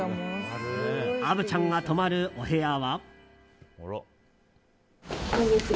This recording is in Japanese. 虻ちゃんが泊まるお部屋は。